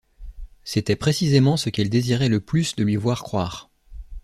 C’était précisément ce qu’elle désirait le plus de lui voir croire.